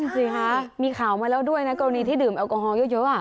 ใช่มีข่าวมาแล้วด้วยนะกรณีที่ดื่มแอลกอฮอล์เยอะเยอะอ่ะ